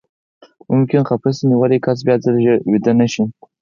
ممکن خپسه نیولی کس بیاځلې ژر ویده نه شي.